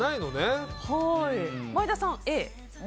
前田さん、Ａ？